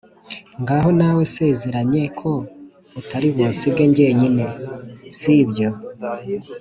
ngaho nawe nsezeranye ko utaribunsige njyenyine, sibyo!’